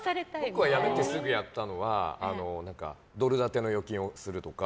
僕はやめてすぐやったのはドル建ての預金をするとか。